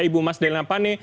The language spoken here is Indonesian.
ibu mas delina pane